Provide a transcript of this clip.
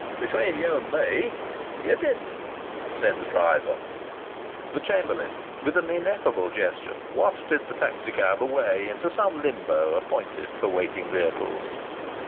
"Between you and me, you didn't," said the driver. The chamberlain, with an ineffable gesture, wafted the taxi cab away into some limbo appointed for waiting vehicles.